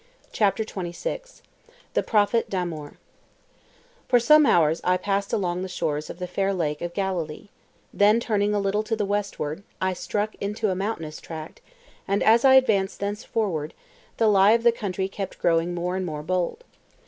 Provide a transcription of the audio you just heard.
CHAPTER XXVI—THE PROPHET DAMOOR For some hours I passed along the shores of the fair lake of Galilee; then turning a little to the westward, I struck into a mountainous tract, and as I advanced thenceforward, the lie of the country kept growing more and more bold.